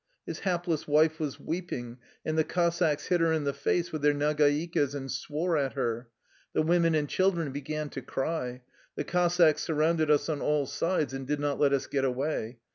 His hapless wife was weeping, and the Cossacks hit her in the face with their nagaikas and swore at her. The women and children be gan to cry. The Cossacks surrounded us on all sides and did not let us get away.